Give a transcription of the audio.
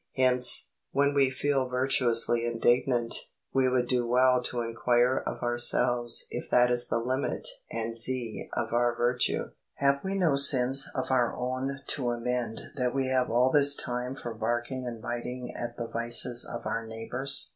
Hence, when we feel virtuously indignant, we would do well to inquire of ourselves if that is the limit and Z of our virtue. Have we no sins of our own to amend that we have all this time for barking and biting at the vices of our neighbours?